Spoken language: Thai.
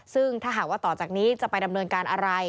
ซึ่งถ้าหากว่าต่อจากนี้จะไปดำเนินการอะไร